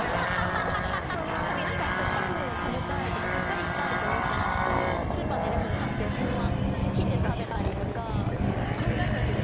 酸っぱいものを食べたいとかさっぱりしたいとか思ったらスーパーでレモン買ってそのまま切って食べたりとか。